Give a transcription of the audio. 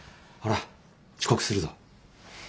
ほら遅刻するぞ。